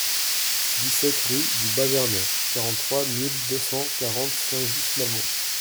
dix-sept rue du Bas-Vernay, quarante-trois mille deux cent quarante Saint-Just-Malmont